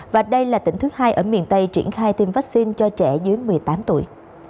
và đây là tỉnh thứ hai ở miền tây triển khai tiêm vaccine cho trẻ dưới một mươi tám tuổi